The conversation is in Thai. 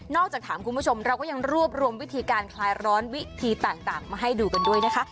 จากถามคุณผู้ชมเราก็ยังรวบรวมวิธีการคลายร้อนวิธีต่างมาให้ดูกันด้วยนะคะ